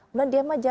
bulan diam aja